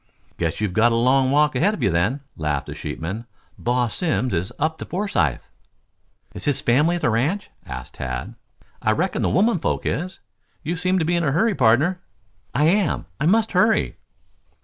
"Guess you've got a long walk ahead of you then," laughed the sheepman. "Boss Simms is up to Forsythe." "Is his family at the ranch?" asked Tad. "I reckon the women folks is. You seem to be in a hurry, pardner." "I am. I must hurry."